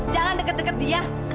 jangan deket deket dia